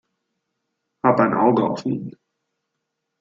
Hab ein Auge auf ihn.